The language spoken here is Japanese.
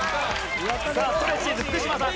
さあストレッチーズ福島さん